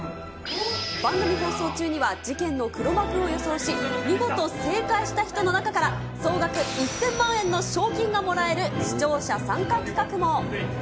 番組放送中には事件の黒幕を予想し、見事正解した人の中から、総額１０００万円の賞金がもらえる視聴者参加企画も。